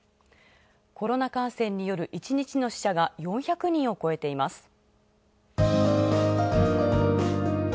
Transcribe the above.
コロナ感染による１日の死者が４００人を超えています。